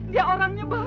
dia orangnya baik